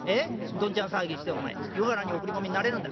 どんちゃん騒ぎしてお前湯河原にお繰り込みになれるんだ？」。